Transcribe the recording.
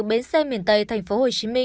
bến xe miền tây tp hcm